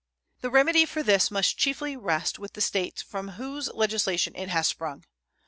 The remedy for this must chiefly rest with the States from whose legislation it has sprung.